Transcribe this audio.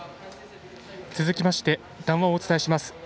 続きまして談話をお伝えします。